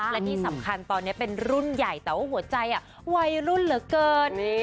และที่สำคัญตอนนี้เป็นรุ่นใหญ่แต่ว่าหัวใจวัยรุ่นเหลือเกิน